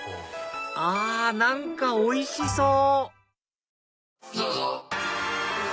あ何かおいしそう！